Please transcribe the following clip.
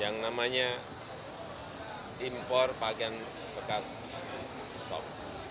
namanya impor pakaian bekas stop